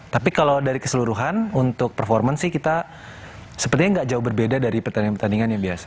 tapi kalau dari keseluruhan untuk performance sih kita sepertinya nggak jauh berbeda dari pertandingan pertandingan yang biasa